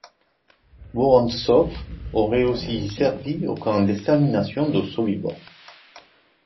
Vorontsov aurait aussi servi au camp d’extermination de Sobibor.